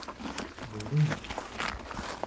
Булдымы?!